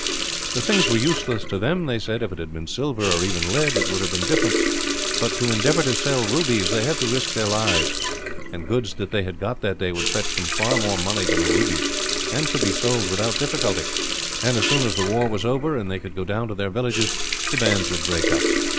The things were useless to them, they said. If it had been silver, or even lead, it would have been different; but to endeavour to sell rubies they had to risk their lives. The goods that they had got that day would fetch them far more money than the rubies, and could be sold without difficulty and, as soon as the war was over and they could go down to their villages, the band would break up.